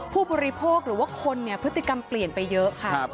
ผู้บริโภคหรือว่าคนเนี่ยพฤติกรรมเปลี่ยนไปเยอะค่ะ